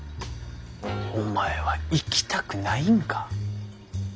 お前は行きたくないんか。